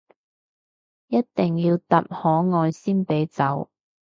一定要答可愛先俾走